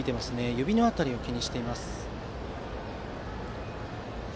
指の辺りを気にしています。